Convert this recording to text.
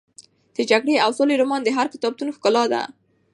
د جګړې او سولې رومان د هر کتابتون ښکلا ده.